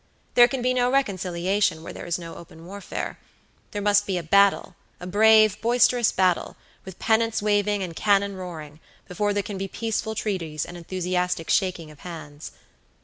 There can be no reconciliation where there is no open warfare. There must be a battle, a brave, boisterous battle, with pennants waving and cannon roaring, before there can be peaceful treaties and enthusiastic shaking of hands.